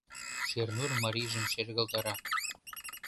Шернур марийжым шергылтара.